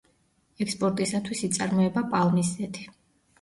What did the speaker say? ექსპორტისათვის იწარმოება პალმის ზეთი.